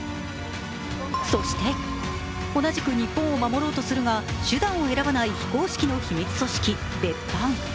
そして同じく日本を守ろうとするが手段を選ばない非公式の秘密組織、別班。